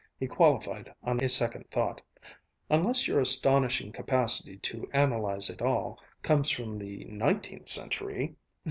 he qualified on a second thought, "unless your astonishing capacity to analyze it all, comes from the nineteenth century?"